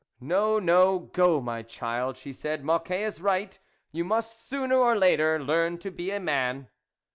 " No, no, go, my child," she said, " Mocquet is right ; you must, sooner or later, learn to be a man."